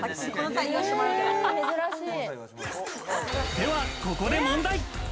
では、ここで問題。